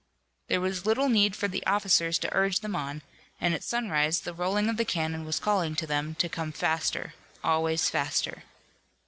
There was little need for the officers to urge them on, and at sunrise the rolling of the cannon was calling to them to come faster, always faster.